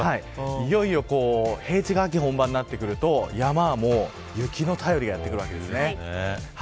いよいよ平地が秋本番になってくると山は雪の便りがやってきます。